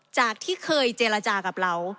จากที่เคยเจรจากับเรา